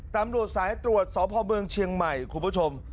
ตำรวจสายตรวจสพเมืองเชียงใหม่คุณผู้ชม